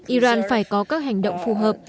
iran phải có các hành động phù hợp